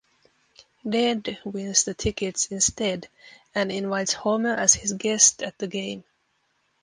Ned wins the tickets instead, and invites Homer as his guest at the game.